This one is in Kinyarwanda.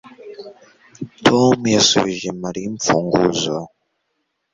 Tom yasubije Mariya imfunguzo